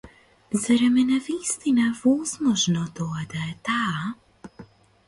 Зарем е навистина возможно тоа да е таа?